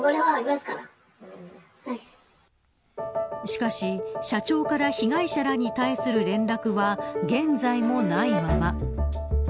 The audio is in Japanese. しかし社長から被害者らに対する連絡は現在もないまま。